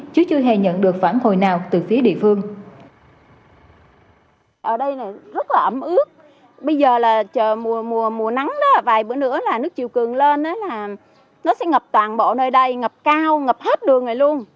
chứ chưa hề nhận được phản hồi nào từ phía địa phương